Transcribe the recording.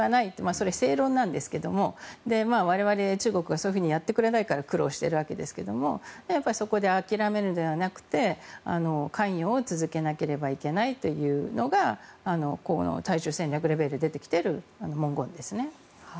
それは正論なんですけど我々、中国がそうやってくれないから苦労しているわけですがそこで諦めるのではなくて関与を続けなければいけないというのがこの対中戦略レベルで出てきている文言ですね。